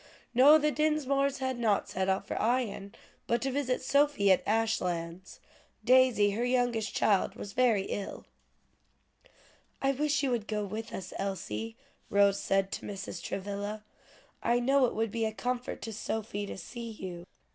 "No, the Dinsmores had not set out for Ion, but to visit Sophie at Ashlands; Daisy, her youngest child, was very ill." "I wish you would go with us, Elsie," Rose said to Mrs. Travilla. "I know it would be a comfort to Sophie to see you."